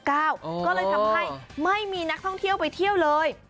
ก็เลยทำให้ไม่มีนักท่องเที่ยวไปเที่ยวเลย